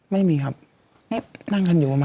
ไม่มีครับนั่งกันอยู่ประมาณ